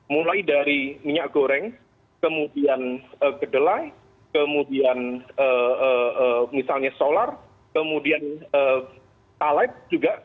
mulai dari minyak goreng kemudian kedelai kemudian misalnya solar kemudian talib juga